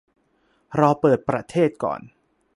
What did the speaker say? รอเปิดประเทศก่อน